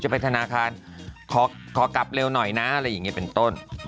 ไปธนาคารขอกลับเร็วหน่อยนะอะไรอย่างนี้เป็นต้น